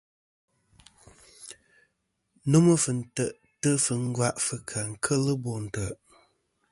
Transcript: Nômɨ fɨ̀ntè'tɨ fɨ ngva fɨ̀ kà kel bo ntè'.